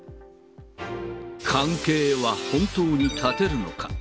完全は本当に絶てるのか。